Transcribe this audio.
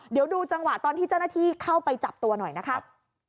เดี๋ยวดูจังหวะตอนที่เจ้าหน้าที่เข้าไปจับตัวหน่อยนะครับ